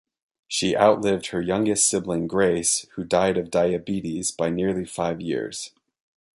She outlived her youngest sibling, Grace, who died of diabetes, by nearly five years.